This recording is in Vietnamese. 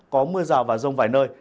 có mưa rào và rông vài nơi